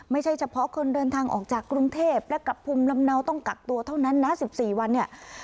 ไม่ใช่เฉพาะคนเดินทางออกจากกรุงเทพและกลับภูมิลำเนาต้องกักตัวเท่านั้นนะ๑๔วันเนี่ย